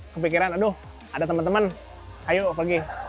kepikiran aduh ada temen temen ayo pergi